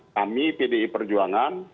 kami pdi perjuangan